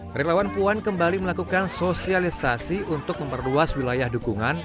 relawan puan kembali melakukan sosialisasi untuk memperluas wilayah dukungan